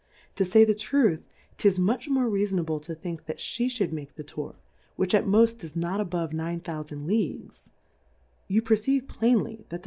To fay the Truth, "^tis much more reafonable to think that flie ihould make the Tour^ which at moft is not above nine thoufand Leagues ; you perceive plainly,, that to.